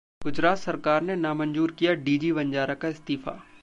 गुजरात सरकार ने नामंजूर किया डी जी वंजारा का इस्तीफा